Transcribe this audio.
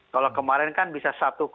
kalau kemarin kan bisa satu tiga puluh dua